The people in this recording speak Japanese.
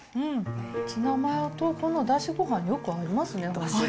ツナマヨとこのだしごはん、よく合いますね、本当に。